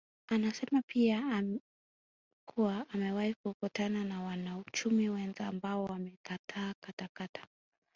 Anasema pia kuwa amewahi kukutana na wanauchumi wenza ambao wamekataa katakata